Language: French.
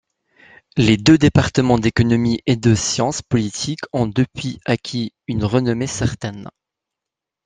Les deux départements d'économie et de sciences politiques ont depuis acquis une renommée certaine.